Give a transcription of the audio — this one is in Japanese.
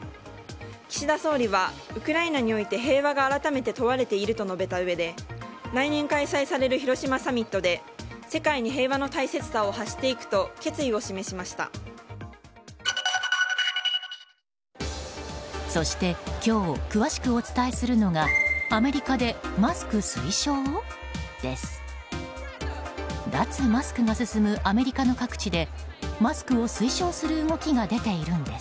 岸田総理は、ウクライナにおいて平和が改めて問われていると述べたうえで来年開催される広島サミットで世界に平和の大切さを発していくとそして、今日詳しくお伝えするのがアメリカでマスク推奨？です。